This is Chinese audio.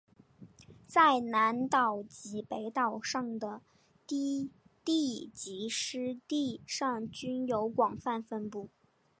在南岛及北岛上的低地及湿地上均有广泛分布。